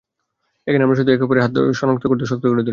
এখানে আমরা শুধু একে অপরের হাত শক্ত করে ধরি।